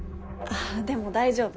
でも大丈夫。